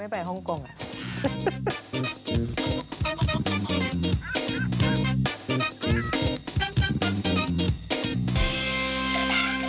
พรุ่งนี้เจอกันครับ